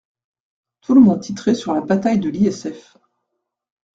Tout le monde titrait sur « la bataille de l’ISF ».